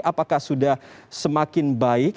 apakah sudah semakin baik